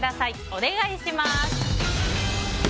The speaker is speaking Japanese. お願いします。